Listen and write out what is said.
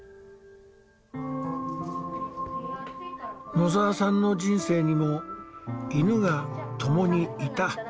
野澤さんの人生にも犬が共に居た。